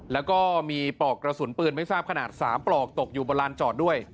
แล้วก็มีปลอกกระสุนปืนไม่ทราบขนาด๓ปลอกตกอยู่บนลานจอดด้วย